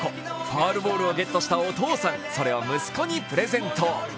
ファウルボールをゲットしたお父さん、それを息子にプレゼント。